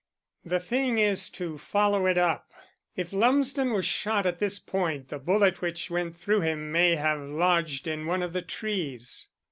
The thing is to follow it up. If Lumsden was shot at this point the bullet which went through him may have lodged in one of the trees."